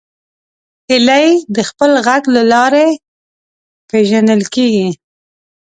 هیلۍ د خپل غږ له لارې پیژندل کېږي